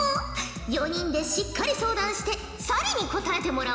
４人でしっかり相談して咲莉に答えてもらおう。